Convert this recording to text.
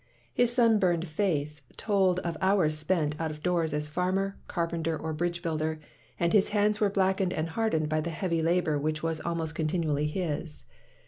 His sun burned face told of the hours spent out of doors as farmer, carpenter, or bridge builder, and his hands were blackened and hardened by the heavy labor which was al most continually his.